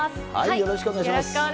よろしくお願いします。